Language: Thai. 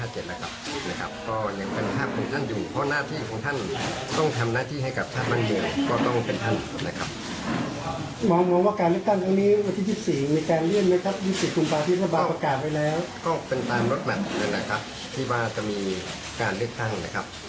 จะมีการเลือกตั้งนะครับ